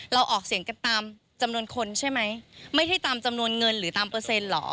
ออกเสียงกันตามจำนวนคนใช่ไหมไม่ได้ตามจำนวนเงินหรือตามเปอร์เซ็นต์เหรอ